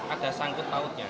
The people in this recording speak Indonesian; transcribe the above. ada sanggup outnya